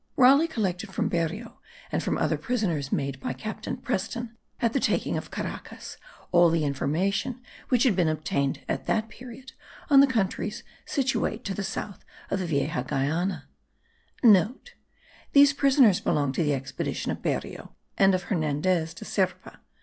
Raleigh collected from Berrio, and from other prisoners made by Captain Preston* at the taking of Caracas, all the information which had been obtained at that period on the countries situate to the south of Vieya Guayana. (* These prisoners belonged to the expedition of Berrio and of Hernandez de Serpa.